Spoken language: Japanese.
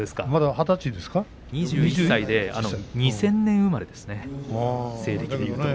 ２１歳で２０００年生まれですね